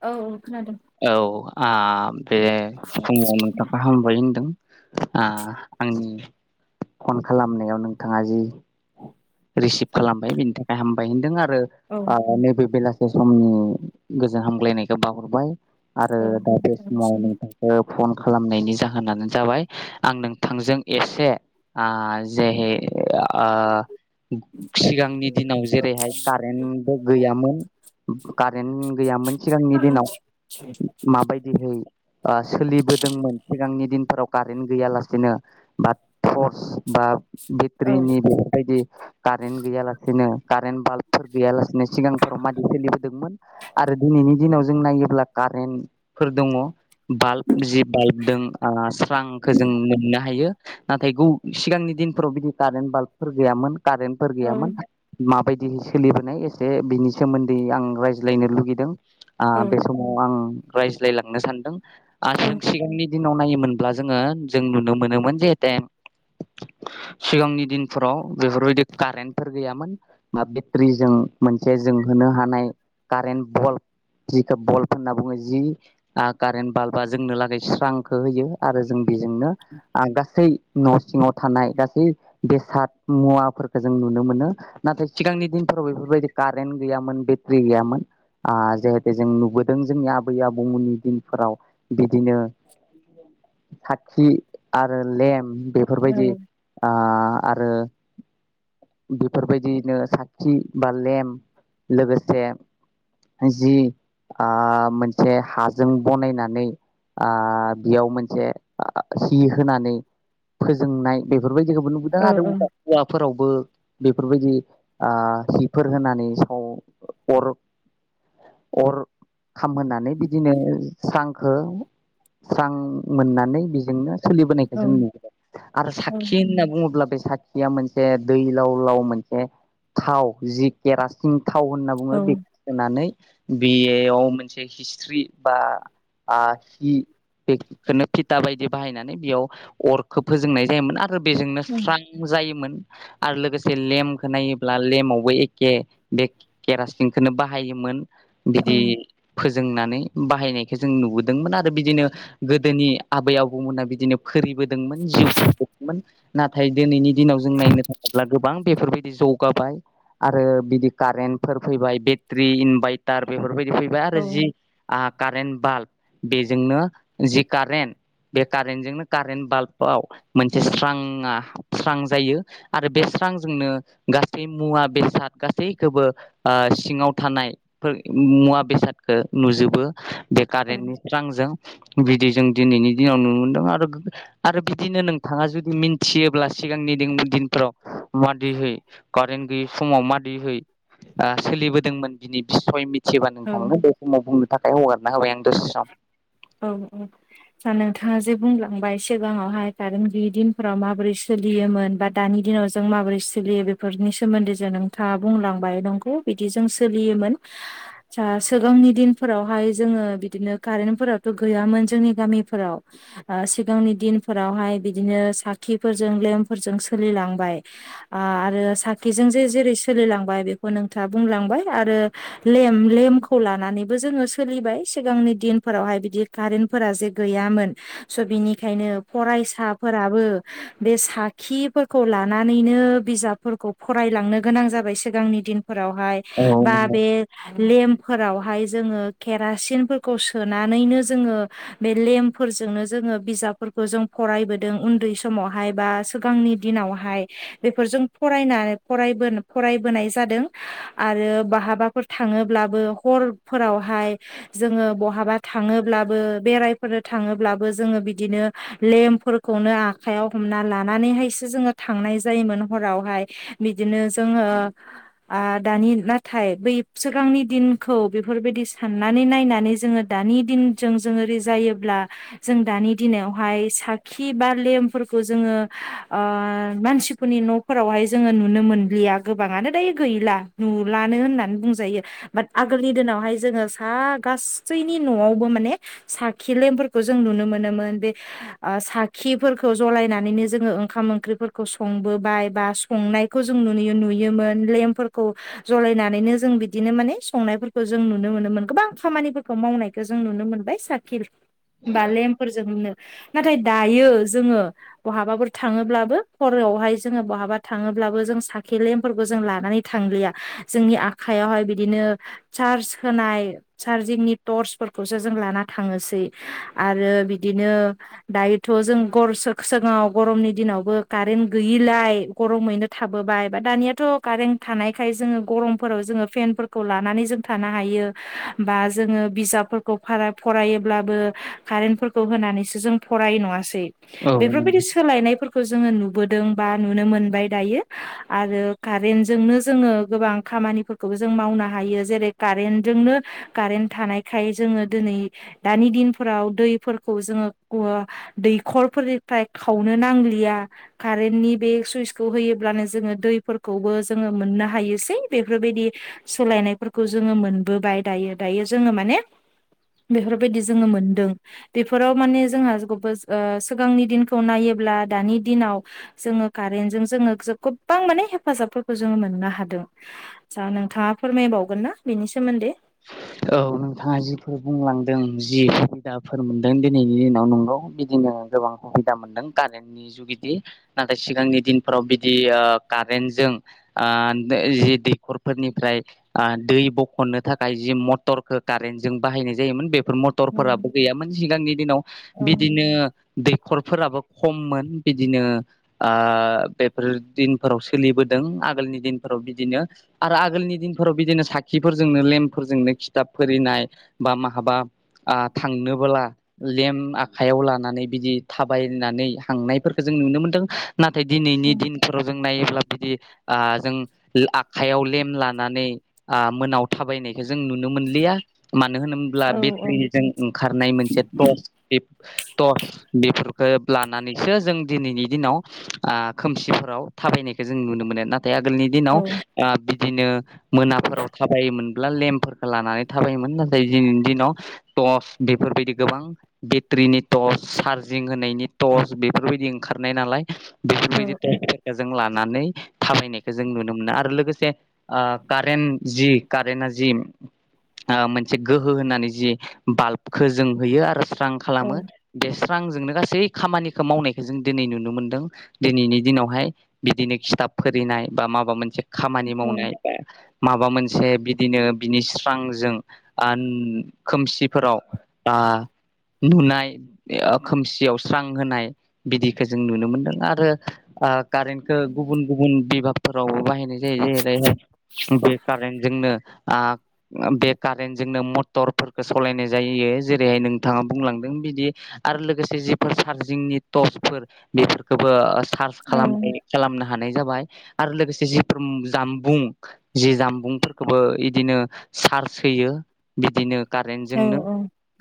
औ खोनादों औ आ बे समाव नोंथां हाम बाय होनदों आंनि फन खालामनायाव नोंथाङा जि रिसिभ खालामबाय बिनि थाखाय हामबाय होनदों आरो औ आरो नैबे बेलासे समनि गोजोन हामग्लायनायखौ बाहरबाय। आरो औ दा बे समाव नोंथांनिसिम नोंथांखौ फन खालामनायनि जाहोनानो जाबाय आं नोंथांजों एसे जेहै ओ सिगांनि दिनाव जेरैहाय कारेन्टबो गैयामोन। कारेन्ट गैयामोन सिगांनि औ दिनाव माबायदिहै सोलिबोदोंमोन सिगांनि दिन फोराव कारेन्ट गैया लासेनो बा टर्स बा औ बेत्रिनि बायदि कारेन्ट गैयालासेनो कारेन्ट बाल्बफोर गैयालासेनो सिगांफोराव माददि सोलिबोदोंमोन आरो दिनै नि दिनाव जों नायोब्ला कारेन्टफोर दङ बाल्ब जि बाल्ब दं आ स्रांखौ जों मोननो हा यो नाथाय गौ सिगांनि दिनफोराव बिदि कारेन्ट बाल्बफोर गैयामोन। कारेन्टफोर औ गैयामोन मा बायदि सोलिबोनाय एसे बिनि सोमोन्दै आं रायज्लायनो लुगैदों आ औ बे सम आं रायज्लाय लांनो सानदों औ आरो जों सिगांनि दिनाव नायोमोनब्ला जोङो जों नुनो मोनोमोन जिहेते सिगांनि दिनफोराव बेफोरबायदि कारेन्टफोर गैयामोन मा बेट्रिजों मोनसे जोंहो हानाय कारेन्ट बल्ब जिखौ बल्ब होनना बुङो जि कारेन्ट बाल्बा जोंनो लागै स्रांखौ होयो आरो जों बेजोंनो आरो गासै न' सिङाव थानाय गासै बेसाद मुवाफोरखौ जों नुनो मोनो नाथाय सिगांनि दिन फोराव बिफोरबायदि कारेन्ट गैयामो बेट्रि गैयामोन आ जिहेतु जों नुबो जों जोंनि आबै आबौमोननि दिनफोराव बिदिनो साखि आरो लेम बेफोरबायदि आ आरो बेफोरबायदियैनो साथि बा लेम लोगोसे जि आ मोनसे हाजों बनायनानै आ बेयाव मोनसे सि होनानै फोजोंनाय बेफोरबाय दिखौबो नुबोदों औ आरो [unintelligible] औवाफोरावबो बेफोरबायदि आ सिफोर होनानै साव अर अर खामहोनानै बिदिनो सांखौ स्रां मोननानै बेजोंनो सोलिबोनायखौ जों [inaudible] आरो साखि होनना बुङोब्ला बे सा खिया मोनसे दै लाव लाव मोनसे थाव जि केरासिन थाव होनना बुङो बेखो सोनानै बे याव मोनसे हिस्ट्रि बा आ घि बेखोनो फिता बायदि बाहायनानै बेयाव अरखौ फोजोंनाय जायोमोन आ रो बेजोंनो स्रां जायोमोन आरो लोगोसे लेमखौ नायोब्ला लेमावबो एखे बे केरासिनखौनो बाहायोमोन। बिदि फो जोंनानै बाहायनायखौ जों नुबोदोंमोन आरो बिदिनो गोदोनि आबै आबौमोना बिदिनो फोरिबो दोंमोन जिव खुंदोंमोन नाथाय दोनैनि दिनाव जों नायनो थाङोब्ला गोबां बेफोरबायदि जौगाबाय आरो बिदि कारेन्टफोर फैबाय बेट्रि इनभाइट तार बेफोरबायदि फैबाय आरो जि आ कारेन्ट बाल्ब बेजोंनो जि कारेन्ट बे कारेन्टजोंनो कारेन्ट बाल्बाव मोनसे स्रांआ स्रां जायो आरो बे स्रां जोंनो गासै मुवा बेसाद गासैखोबो ओ सिङाव थानाय फोर मुवा बेसादखो नुजोबो बे कारेन्टनि स्रांजों बिदि जों दिनैनि दिनाव नुनो मोनदों आरो आरो बिदिनो नोंथाङा जुदि मिन्थियोब्ला सिगांनि दिन दिनफ्राव मादिहै कारेन्ट गैयै समावहाय मादिहै ओ सोलिबोदोंमोन बिनि बिसय मिथियोबा औ नोंथांनो बे समाव बुंनो थाखाय हगारना होबाय आं दसे सम औ औ दा नोंथाङा जे बुंलांबाय सिगाङावहाय कारेन्ट गैयि दिनफोराव माबोरै सोलियोमोन बा दानि दिनाव जों माबोरै सोलियो बेफोरनि सोमोन्दै जों नोंथाङा बुंलांबाय नंगौ बिदि जों सोलियोमोन जा सिगांनि दिनफोरावहाय जोङो बि दिनो कारेन्ट फोराथ गैयामोन जोंनि गामिफोराव ओ सिगांनि दिनफोरावहाय बिदिनो साखि फोरजों लेम फोरजों सोलिलांबाय आ आरो साखिजों जे जेरै सोलिलांबा य बेखौ नोंथाङा बुंलांबाय आरो लेम लेमखौ लानानैबो जोङो सोलिबाय सिगांनि दिनफोरावहाय बिदि कारेन्टफोरा जे गैयामोन स बिनिखायनो फरायसाफोरा बो बे साखिफोरखौ लानानैनो बिजाबफोरखौ फरायलांनो गोनां जाबाय सिगांनि दिनफोरावहाय औ बा नंगौ बे लेम फोरावहाय जोङो केेरासिन फोरखौ सोनानैनो जोङो बे लेम्पफोरजोंनो जोङो बिजाबफोरखौ जों फरायबोदों उन्दै समावहाय बा सोगांनि दिनावहाय बेफोरजों फरायना फरायबो नाय जादों आरो बाहाबाफोर थाङोब्लाबो हरफोरावहाय जोङो बहाबा थाङोब्लाबो बेरायफोरो थाङोब्लाबो जोङो बिदिनो लेम्पफोरखौ खौनो आखायाव हमना लानानैहायसो जोङो थांनाय जायोमोन हरावहाय बिदिनो जोङो ओ आ दानि नाथाय बै सोगांनि दिनखौ बेफोरबायदि साननाय नै नायनानै नायनानै जों दानि दिनजों जों रिजायोब्ला जों दानि दिनावहाय साख खि बा लेमफोरखौ जोङो मानसिफोरनि नफोरावहाय जोङो नुनो मोनलिया आ गोबाङानो दायो गैला नुलानो होननानै बुंजायो बाद आगोलनि दिनावहाय जोङो सा हा गासैनि नआवबो माने साखि लेमफोरखौ जों नुनो मोनोमोन बे ओ साखिफोरखौ जलायनानैनो जोङो ओंखाम ओंख्रिफोरखौ संबोबाय बा संनायखौ जों नुनो रो नुयोमोन लेमपफोरखौ जलायनानैनो जों बिदिनो माने संनायफोरखौ जों नुनो मोनोमोन गोबां खामानिफोरखौ मावनायखौ जों नुनो मोनबाय साखि‌ बा लेम्पफोरजोंनो नाथाय दायो जोङो बहाबाफोर थाङोब्लाबो हरआवहाय जोङो बहाबा थाङो ब्लाबो जों साखि लेम्फोरखौ जों लानानै थांलिया जोंनि आखयावहाय बिदिनो सार्स होनाय चार्जिंनि टर्सफोरखौसो जों लाना थाङोसै आरो बिदिनो दायोथ थ' जों गर सख सिगाङाव गरमनि दिनावबो कारेन्ट गैयिलाय गरमैनो थाबोबाय बा दा दानियाथ कारेन्ट थानायखाय जोङो गरमफोराव जोङो फेनफोरखौ लानानै जों थानो हायो बा जोङो बिजाबफोरखौ बारा फरायोब्लाबो कारेन्टफोरखौ होनानैसो जों फरायो नङासै औ नंगौ बेफोरबायदि सोलायनायफोरखौ जोङो नु बोदों बा नुनो मोनबाय दायो‌ आरो कारेन्ट जोंनो जोङो गोबां खामानि फोरखौ जों मावनो हायो जेरै कारेनजोंनो कारेन थानायखाय जोङो दिनै दानि दिनफोराव दैफोरखौ जोङो ओ दैखरफोरनिफ्राय खावनो नांलिया कारेन्नि बे सुइसखौ होयोब्लानो जोङो दैफोर खौबो जोङो मोननो हायोसै बेफोरबायदि सोलायनायफोरखौ जोङो मोनबोबाय दायो दायो जोङो माने बेफोरबायदि जोङो मोनदों बेफोराव माने जोंहा जबो ओ सिगांनि दिनखौ नायोब ब्ला दानि दिनाव जोङो कारेन्ट जों जोङो गोबां माने हेफाजाबफोरखौ जोङो मोननो हादों आसा नोंथाङा फोरमायबावगोन ना बेनि सोमोन्दै औ नोंथाङा जिफोर बुंलांदों जि सुबिदाफोर मोनदों दिनैनि दिनाव नंगौ बिदिनो गोबां सुबिदा मोनदों कारेन्टनि जुगिदि नाथाय सिगांनि दिनफोराव बिदि ओ कारेन्ट जों ओ जि दैखरफोरनिफ्राय ओ दै बख'नो थाखाय जि मथ तरखो कारेन्ट जों बाहायनाय जायोमोन बे औ मटरफोराबो गैयामोन सिगांनि दिनाव औ बिदिनो दैखरफोराबो खममोन बिदिनो ओ बेफोर दिनफोराव सोलिबो दों आगोलनि दिनफोराव बिदिनो आरो आगोलनि दिनफोराव बिदिनो साखिफोरजोंनो लेमफोरजोंनो खि थाब फोरिनाय बा माहाबा ओ थांनोबोला लेम आखायाव लानानै बिदि थाबायनानै हांनायफोरखौ जों नुनो मोनदों नाथाय औ दिनैनि दिनफोराव जों नायोब्ला बिदि आ जों आखायाव लेम लानानै आ मोनायाव थाबायनायखौ जों नुनो नुनो मोनलिया मानो होनोब्ला बेटारिजों ओंखारनाय मोनसे टर्च बे टर्च बे लोब लानानैसो जों दिनैनि दिनाव ओ खोमसिफोराव थाबायनायखौ जों नुनो मोनो ना थाय आगोलनि औ दिनाव ओ बिदिनो मोनाफोराव थाबायोमोनब्ला लेम्पफोर लानानै थाबायोमोन नाथाय दिनैनि दिनाव टर्च बेफोरबायदि गोबां बेट्रिनि टर्च चार्जिं होनायनि टर्च बेफोरबायदि ओंखारनाय नालाय औ बेफोरबायदि टर्सफोरखौ जों लानो नानै थाबायनायखौ जों नुनो मोनो आरो लोगोसे कारेन्ट जि कारेन्ट आ जि ओ मोनसे गोहो होननानै जि बाल्बखौ जों होयो आरो स्रां औ खालामो बेस रांजोंनो गासै खामानिखौ मावनायखौ जों दिनै नुनो मोनदों दिनैनि दिनावहाय बिदिनो खिथाब फोरोंनाय बा माबा मोनसे खामानि औ मावनाय बा माबा मोनसे बिदिनो बिनि स्रांजों आ खोमसिफोराव आ नुनाय खोमसियाव स्रां होनाय बिदिखौ जों नुनो मोनदों आरो ओ कारेन्टखौ गुबुन गुबुन बिभाबफोराव बाहायनाय जे जे रैहाय बे कारेन्ट जोंनो ओ बे कारेन्ट जोंनो मटरफोरखौ सालायनाय जायो जेरैहाय नोंथाङा बुंलांदों। आरो लोगोसे जिफोर सारजिंनि बेफोरखौबो ओ सारज औ खालाम खालामनो हानाय। जाबाय आरो लोगोसे जि जामबुं जि जामबुंफोरखौबो बिदिनो चार्ज होयो बिदिनो कारेन्ट औ जोंनो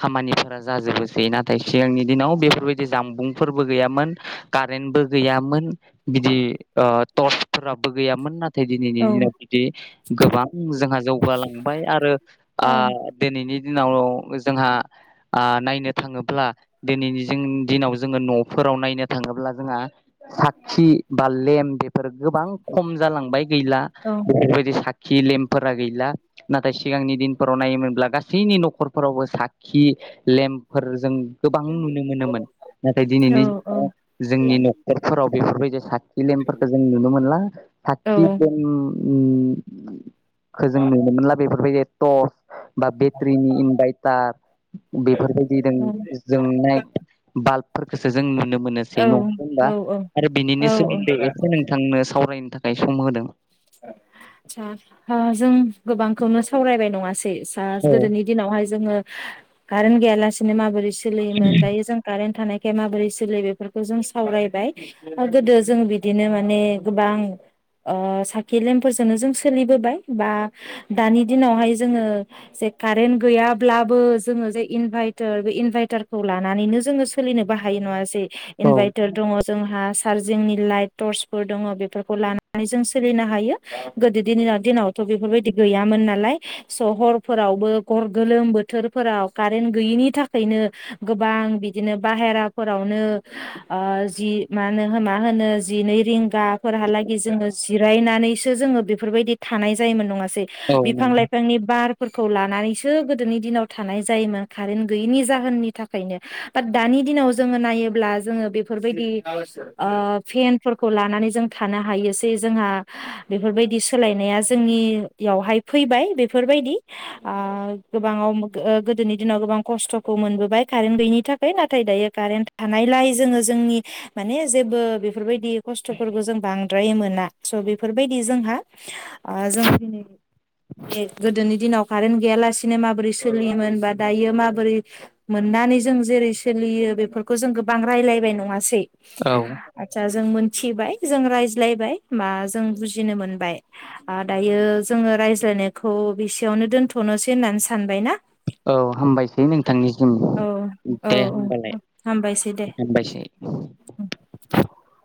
खामानि जाजोबोसै नाथाय सिगांनि दिनाव बेफोरबायदि जामबुंफोरबो गैयामोन कारेन्टबो गैयामोन बिदि टर्सफोराबो गैयामोन न नै दिनैनि औ दिनाव जुदि गोबां जोंहा जौ गालांबाय आरो आ दिनैनि दिनाव जोंहा आ नायनो थाङोब्ला दिनैनि दिनाव जोङो न'फोर फोराव नायनो थाङोब्ला जोंहा साखि बा लेम बेफोर गोबां खम जालांबाय गैला बेफोरबायदि साखि लेम्फोरा गैला नाथाय सिगांनि दिनफोराव नायोमोनब्ला गासैनि न'खरफोरावबो साखि लेम्पफोरजों गोबां नुनो मोनोमोन नाथाय दिनैनि दिनाव जोंनि न'खरफोराव बेफोरबायदि साखि ल फोरखौ जों नुनो मोनला औ साखि जों ओ बेफोरबायदि ट'द बा बेटारिनि इनभारटार बेफोरबायदि जोंनाय बाल्ब बेफोरखोसो जों नुनो मोनोसै नंङा होनबा आरो बिनिनो औ औ सोमोन्दै एसे नोंथांनो सावरायनो थाखाय सम होदों ओ जों गोबांखौनो सावरायबाय नङासै औ गोदोनि दिनावहाय जोङो कारेन गैयालासिनो माबोरै सोलियोमोन दायो जों कारेन थानाय माबोरै सोलि बेफोरखौ जों सावरायबाय आरो गोदो जों बिदिनो माने गोबां ओ सा लेमफोरजोंनो जों सोलिबोबाय बा दानि दिनावहाय जोङो जे कारेन्ट गैया जोङो जे इनभायटार बे इनभायटारखौ लानानैनो जोङो सोलिनोबो हायो नङासै औ इनभायटार दङ जोंहा चार्जिंनि लाइट टर्चफोर दङ बेफोरखौ लानानै जों सोलिनो। थायो दिनावथ' बेफोरबायदि गैयामोन नालाय स 'हरफोरावबो [unintelligible] गोलोम बोथोरफोराव कारेन्ट गैयिनि थाखायनो गोबां बिदिनो बाहेराफोरावनो ओ जि मा होनो मा होनो जिनै रिंगाफोरहालागै जोङो जिरायनानै नैसो जोङो बेफोरबादि थानाय जायोमोन नङासै औ बिफां नंगौ लाइफांनि बार फोरखौ लानानैसो गोदोनि दिनाव थानाय जायोमोन कारेन्ट गैयैनि जाहोननि थाखायनो बाट दानि दिनाव जोङो नायोब्ला जोङो बेफोरबायदि ओ फेनफोरखौ लानानै जों थानो हायो। बेसै जोंहा बेफोरबायदि सोलायनाया जोंनियावहाय फैबाय बेफोरबायदि ओ गोबाङाव गोदोनि दिनाव गोबां खस्थ'खौ मोनबोबाय कारेन्ट गैयिनि थाखाय नाथाय दायो कारेन्ट थानाय लाइ जोङो जोंनि माने जेबो बेफोरबायदि खस्थ'फोरखौ जों बांद्राय मोना। स' बेफोरबायदि जोंहा ओ जों दिनै गोदोनि दिनाव कारेेनत गैयालासिनो माबोरै सोलियोमोन बा दायो माबोरै मोननानै जों जेरै सोलियो। बेफोरखौ जों गोबां रायलायबाय नङासै। औ आतसा जों मोनथिबाय जों रायज्लायबाय। मा जों बुजिनो मोनबाय दायो जोङो रायज्लायनायखौ बेसेयावनो दोनथ' नोसै होननानै सानबाय ना। औ हामबायसै नोंथांनिसिम औ औ दे औ हामबालाय हामबायसै दे हामबायसै [unintelligible]